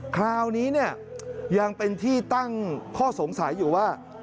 คราวนี้เนี่ยยังเป็นที่ตั้งข้อสงสัยอยู่ว่า